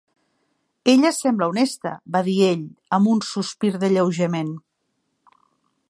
"Ella sembla honesta", va dir ell, amb un sospir d"alleujament.